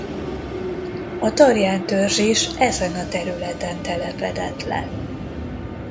A Tarján törzs is ezen a területen telepedett le.